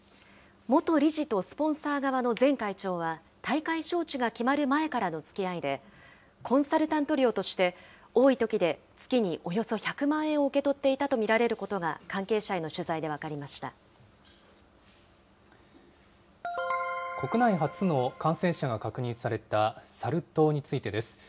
元理事とスポンサー側の前会長は、大会招致が決まる前からのつきあいで、コンサルタント料として、多いときで月におよそ１００万円を受け取っていたと見られること国内初の感染者が確認されたサル痘についてです。